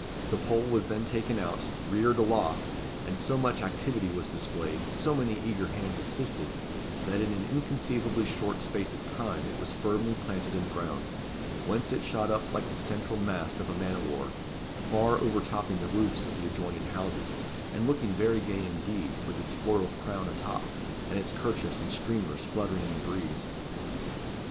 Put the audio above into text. The pole was then taken out, reared aloft, and so much activity was displayed, so many eager hands assisted, that in an inconceivably short space of time it was firmly planted in the ground; whence it shot up like the central mast of a man of war, far overtopping the roofs of the adjoining houses, and looking very gay indeed, with its floral crown a top, and its kerchiefs and streamers fluttering in the breeze.